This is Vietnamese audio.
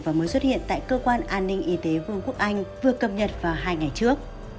và mới xuất hiện tại cơ quan an ninh y tế vương quốc anh vừa cập nhật vào hai ngày trước